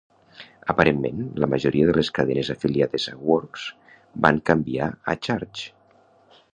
Aparentment, la majoria de les cadenes afiliades a Works van canviar a Charge!